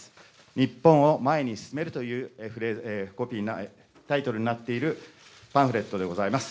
日本を前に進めるというタイトルになっているパンフレットでございます。